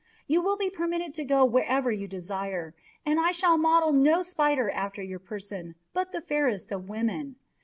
You will be permitted to go wherever you desire; and I shall model no spider after your person, but the fairest of women.